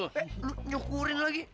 eh lu nyukurin lagi